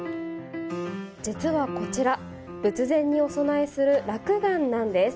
実はこちら、仏前にお供えするらくがんなんです。